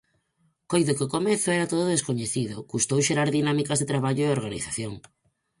Coido que ao comezo era todo descoñecido, custou xerar dinámicas de traballo e organización.